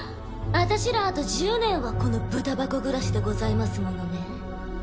私らあと１０年はこのブタ箱暮らしでございますものね。